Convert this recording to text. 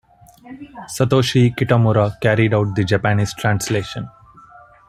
Satoshi Kitamura carried out the Japanese translation.